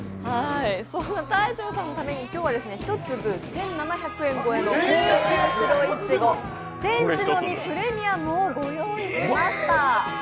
そんな大昇さんのために１粒１５００円超えの高級白いちご天使の実プレミアムをご用意しました。